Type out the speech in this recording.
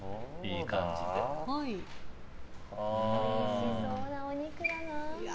おいしそうなお肉だな。